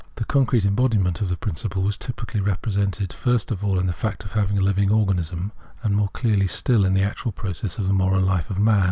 The concrete embodiment of the principle was typically represented first of all in the fact of a living organism, and more clearly still in the actual process of the moral life of man.